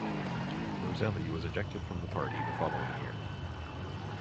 Roselli was ejected from the Party the following year.